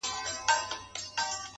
نژدې ورغلم_